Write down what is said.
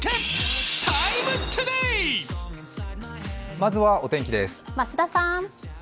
まずはお天気です。